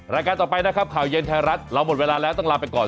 รายการต่อไปนะครับข่าวเย็นไทยรัฐเราหมดเวลาแล้วต้องลาไปก่อน